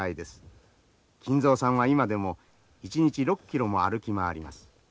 金蔵さんは今でも一日６キロも歩き回ります。